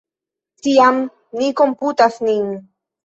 Tiam, ni komputas nin.